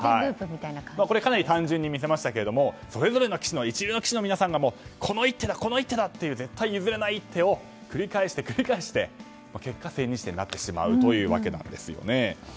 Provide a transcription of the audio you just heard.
かなり単純に見せましたがそれぞれの一流の棋士の皆さんがこの一手だ、この一手だという絶対に譲れない一手を繰り返して繰り返して結果、千日手になってしまうというわけなんです。